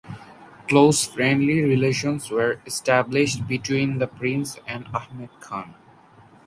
Close friendly relations were established between the prince and Ahmed Khan.